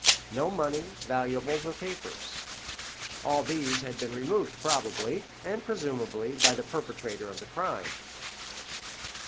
No money, valuables, or papers. All these had been removed probably, and presumably, by the perpetrator of the crime.